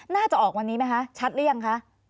น่าจะออกวันนี้ไหมคะชัดหรือยังคะ